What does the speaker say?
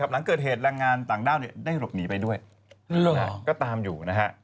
ถ้ารักเจ้าล่ะก็ตามอยู่